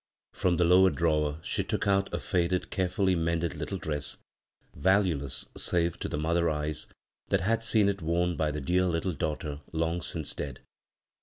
From the lower drawer she took out a faded, care fully mended little dress, vaJueless save to the mother eyes that had seen it worn by the dear little daughter long since dead.